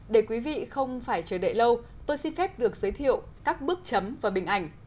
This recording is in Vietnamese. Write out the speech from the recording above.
để quý vị không phải chờ đợi lâu tôi xin phép được giới thiệu các bước chấm và bình ảnh